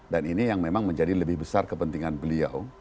dan ini yang memang menjadi lebih besar kepentingan beliau